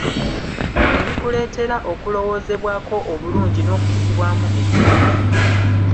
Ebikuleetera okulowoozebwako obulungi n'okussibwamu ekitiibwa .